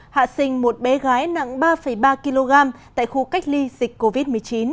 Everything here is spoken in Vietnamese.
hạ sinh một bé gái nặng ba ba kg tại khu cách ly dịch covid một mươi chín